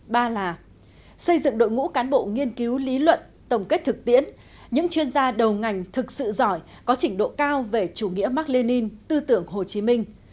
ba là xây dựng đội ngũ cán bộ nghiên cứu lý luận tổng kết thực tiễn những chuyên gia đầu ngành thực sự giỏi có trình độ cao về chủ nghĩa mark lenin tư tưởng hồ chí minh